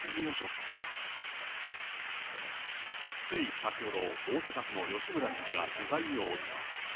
つい先ほど、大阪府の吉村知事が取材に応じた。